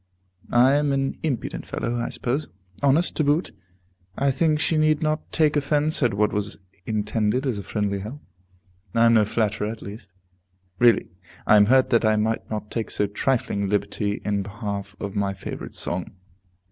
I am an impudent fellow, I suppose. Honest, to boot. I think she need not take offence at what was intended as a friendly help. I am no flatterer, at least. Really, I am hurt that I might not take so trifling a liberty in behalf of my favorite song.